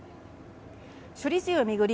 処理水を巡り